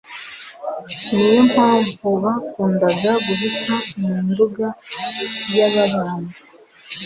niyo mpamvu bakundaga kuhita mu Nduga y'Ababanda.